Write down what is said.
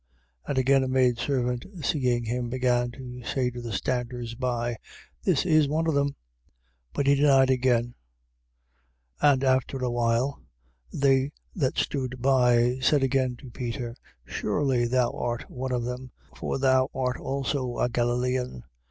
And again a maidservant seeing him, began to say to the standers by: This is one of them. 14:70. But he denied again. And after a, while they that stood by said again to Peter: Surely thou art one of them; for thou art also a Galilean.